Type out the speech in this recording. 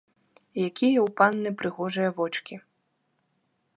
Якія ў панны прыгожыя вочкі.